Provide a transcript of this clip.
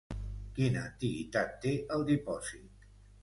Quina antiguitat té el dipòsit?